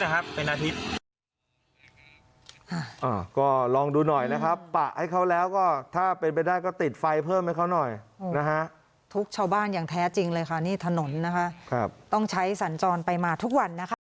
ก็นานอยู่นะประมาณเป็นอาทิตย์นะครับเป็นอาทิตย์